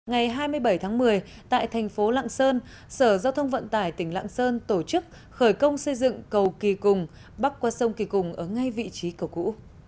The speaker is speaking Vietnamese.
ngày hai mươi bảy tháng một mươi tại thành phố lạng sơn sở giao thông vận tải tỉnh lạng sơn tổ chức khởi công xây dựng cầu kỳ cùng bắc qua sông kỳ cùng ở ngay vị trí cầu cũ